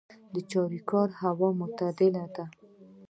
د چاریکار هوا معتدله ده